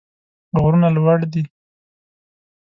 غرونه لوړ دي.